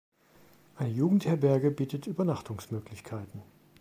Eine Jugendherberge bietet Übernachtungsmöglichkeiten.